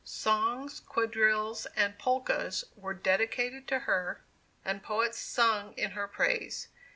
Songs, quadrilles and polkas were dedicated to her, and poets sung in her praise.